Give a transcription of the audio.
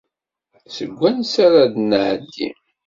Seg wansa ara d-nεeddi.